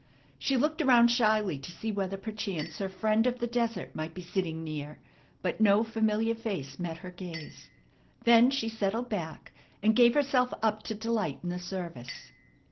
She looked around shyly to see whether perchance her friend of the desert might be sitting near, but no familiar face met her gaze. Then she settled back, and gave herself up to delight in the service.